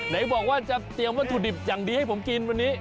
ไหนบอกว่าจะเตรียมวัตถุดิบอย่างดีให้ผมกินวันนี้